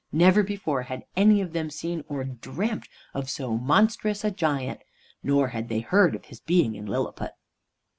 Never before had any of them seen or dreamt of so monstrous a giant, nor had they heard of his being in Lilliput.